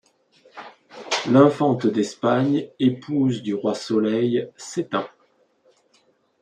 L’infante d’Espagne, épouse du Roi-Soleil, s’éteint.